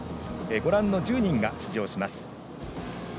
ご覧の１０人が出場します。